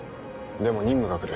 でも任務が来る。